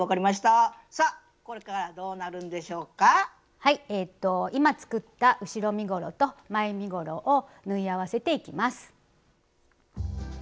はい今作った後ろ身ごろと前身ごろを縫い合わせていきます。